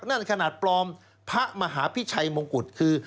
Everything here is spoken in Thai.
นั่นขนาดปลอมพระมหาพิชัยมงกุฎคือ